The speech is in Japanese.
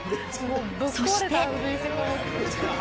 そして。